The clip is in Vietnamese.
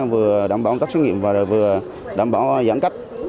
vừa đảm bảo công tác xét nghiệm và vừa đảm bảo giãn cách